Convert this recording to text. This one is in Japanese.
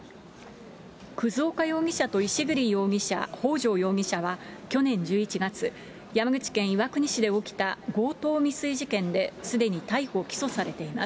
葛岡容疑者と石栗容疑者、北条容疑者は去年１１月、山口県岩国市で起きた強盗未遂事件で、すでに逮捕・起訴されています。